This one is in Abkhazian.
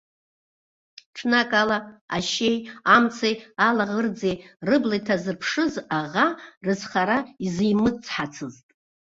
Ҽнак ала ашьеи, амцеи, алаӷырӡи рыбла иҭазырԥшыз аӷа, рызхара изимыцҳацызт.